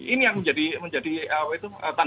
ini yang menjadi tanda tanya besar bagi publik